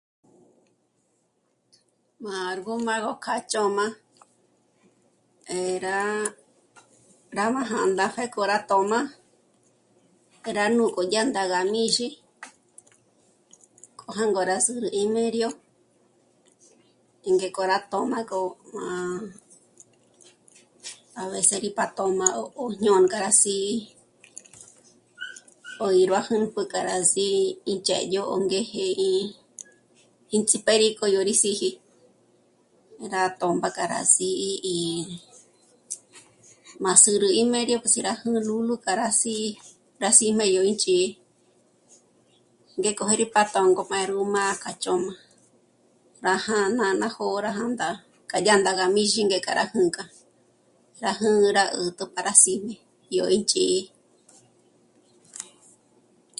M'ârgú m'a gó kja chö̌m'a eh... rá... rá má jā̂ndā pjéko k'o rá tö̌m'a krá ndúgu dyá ná gá mîxi k'o jângo rá zǜ'ü ímério y ngéko rá tö̌m'agö má a veces rí pa tö̌m'a ó jñô'o ngá rá sí'i ó jñájrü ná pǔnk'ü k'a rá sí'i indzhédyo 'óngéjë rí índzip'e rí k'ó yó rí síji rá tö̌mba k'a rá sí'i má zǘrü ímério que sí rá já lúlu k'a rá sí'i rá síjme k'o ínch'í'i ngéko j'ë́'ë rí pa tö̌ngo 'árum'a k'a chö̌m'a rá já'a ná jó'o k'o rá jā̂ndā k'a dya ndá rá mîxi ngé k'a rá jǚnk'a, ra jǚ'ü rá 'ä̀jtjü para sí'me yó ín chí'i